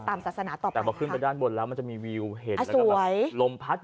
ตามศาสนาต่อไปขึ้นไปด้านบนแล้วมันจะมีวิวเห็นลมพัด